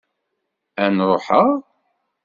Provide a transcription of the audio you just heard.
Ad n-ruḥeɣ?